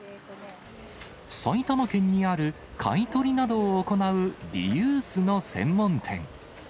埼玉県にある買い取りなどを行うリユースの専門店。